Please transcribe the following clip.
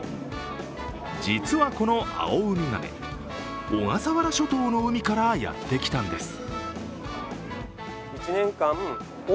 実はこの青海亀、小笠原諸島の海からやってきたんです。